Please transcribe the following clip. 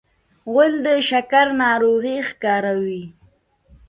غول د شکر ناروغي ښکاروي.